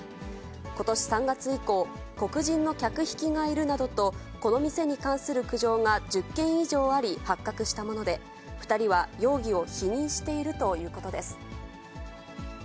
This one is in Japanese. ことし３月以降、黒人の客引きがいるなどとこの店に関する苦情が１０件以上あり、発覚したもので、２人は容疑を否認しているということです。